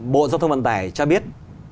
bộ giáo thông vận tài cho biết